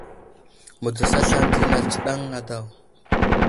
Mədərəs aslane di nat tsənaŋ a daw.